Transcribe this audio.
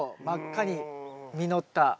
真っ赤に実った。